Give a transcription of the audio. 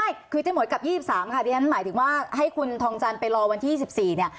อ๋อไม่คือเจ๊หมวยกลับยี่สิบสามค่ะดิฉันหมายถึงว่าให้คุณทองจันไปรอวันที่ยี่สิบสี่เนี่ย